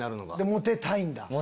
モテたいんだ。